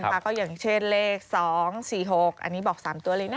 ก็อย่างเช่นเลข๒๔๖อันนี้บอก๓ตัวเลยนะ